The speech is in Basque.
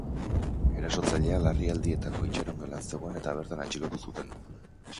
Erasotzailea larrialdietako itxaron gelan zegoen eta bertan atxilotu zuten.